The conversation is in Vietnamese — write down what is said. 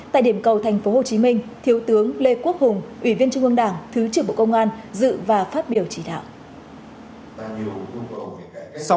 tại điểm cầu tp hcm thiếu tướng lê quốc hùng ủy viên trung ương đảng thứ trưởng bộ công an dự và phát biểu chỉ đạo